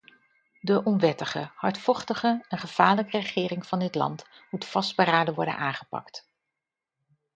De onwettige, hardvochtige en gevaarlijke regering van dit land moet vastberaden worden aangepakt.